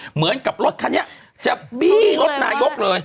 เหมือนกับรถคันนี้จะบี้รถนายกเลย